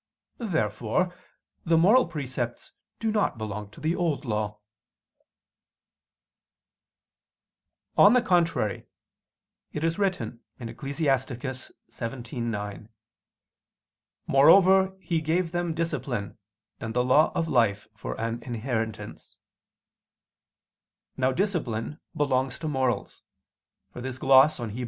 Therefore the moral precepts do not belong to the Old Law. On the contrary, It is written (Ecclus. 17:9): "Moreover, He gave them discipline [Douay: 'instructions'] and the law of life for an inheritance." Now discipline belongs to morals; for this gloss on Heb.